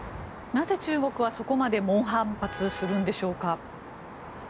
なぜ中国はそこまで猛反発するんでしょうか。